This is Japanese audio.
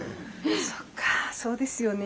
そっかそうですよね。